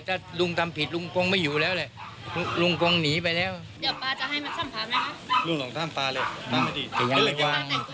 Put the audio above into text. ถ้าลุงทำผิดลุงกงไม่อยู่แล้วเลยลุงกงหนีไปแล้ว